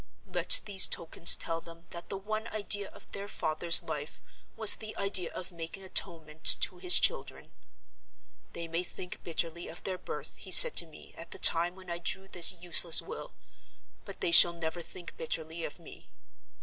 Let these tokens tell them that the one idea of their father's life was the idea of making atonement to his children. 'They may think bitterly of their birth,' he said to me, at the time when I drew this useless will; 'but they shall never think bitterly of me.